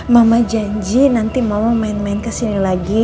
mama janji nanti mau main main kesini lagi